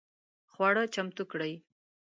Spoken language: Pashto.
خواړه چمتو کړئ